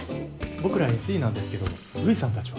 僕らＳＥなんですけど藤さんたちは？